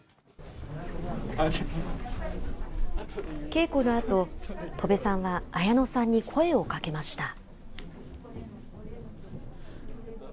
稽古のあと、戸部さんは綾乃さんに声をかけました。